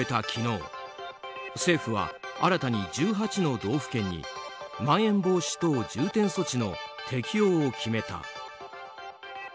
昨日政府は新たに１８の道府県にまん延防止等重点措置の適用を決めた。